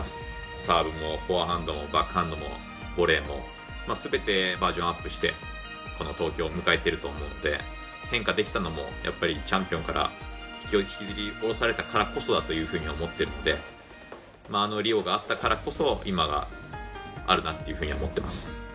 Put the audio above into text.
サーブもフォアハンドもバックハンドもボレーもすべてバージョンアップしてこの東京を迎えてると思うんで変化できたのもやっぱりチャンピオンから引きずり下ろされたからこそだというふうに思ってるのであのリオがあったからこそ今があるなっていうふうに思ってます。